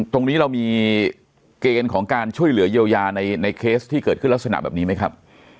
ตรงนี้เรามีเกณฑ์ของการช่วยเหลือเยียวยาในเคสที่เกิดขึ้นลักษณะแบบนี้ไหมครับ